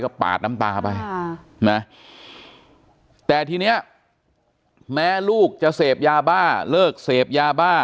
ปาดน้ำตาไปแต่ทีเนี้ยแม้ลูกจะเสพยาบ้าเลิกเสพยาบ้า